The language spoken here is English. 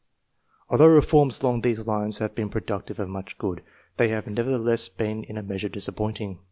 Although reforms along these lines have been productive of much good, they have nevertheless been in a measure disappointing.